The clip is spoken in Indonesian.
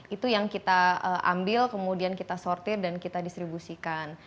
itu yang kita ambil kemudian kita sortir dan kita distribusikan